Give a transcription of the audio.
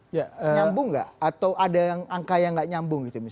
nyambung tidak atau ada angka yang tidak nyambung